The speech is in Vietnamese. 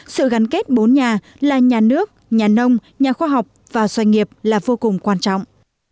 sự gắn kết bốn nhà là nhà nước nhà nông nhà khoa học và doanh nghiệp là vô cùng quan trọng